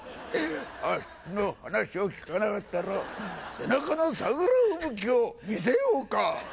あっしの話を聞かなかったら背中の桜吹雪を見せようか！